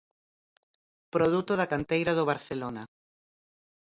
Produto da canteira do Barcelona.